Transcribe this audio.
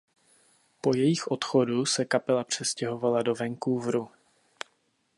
Po jejich odchodu se kapela přestěhovala do Vancouveru.